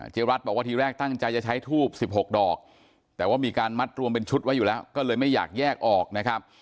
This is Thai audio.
รัฐบอกว่าทีแรกตั้งใจจะใช้ทูบ๑๖ดอกแต่ว่ามีการมัดรวมเป็นชุดไว้อยู่แล้วก็เลยไม่อยากแยกออกนะครับ